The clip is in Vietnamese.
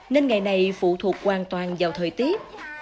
nên ngày này phụ thuộc hoàn toàn vào thời tiết